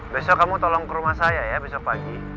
besok kamu tolong ke rumah saya ya besok pagi